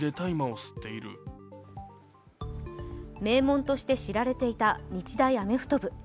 名門として知られていた日大アメフト部。